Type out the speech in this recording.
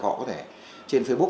họ có thể trên facebook